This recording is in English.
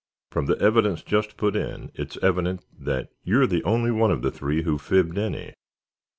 From the evidence just put in, it's evident that you're the only one of the three who fibbed any.